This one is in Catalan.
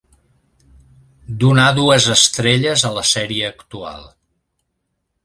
Donar dues estrelles a la sèrie actual.